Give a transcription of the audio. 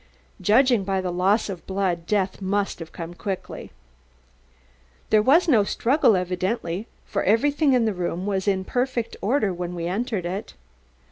"Judging by the loss of blood, death must have come quickly." "There was no struggle, evidently, for everything in the room was in perfect order when we entered it."